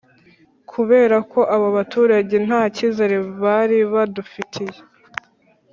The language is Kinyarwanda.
kubera ko abo baturage nta cyizere bari badufitiye